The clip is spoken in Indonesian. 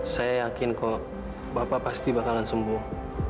saya yakin kok bapak pasti bakalan sembuh